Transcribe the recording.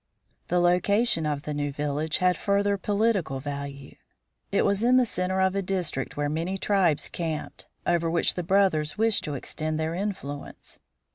The location of the new village had further political value. It was in the center of a district where many tribes camped, over which the brothers wished to extend their influence.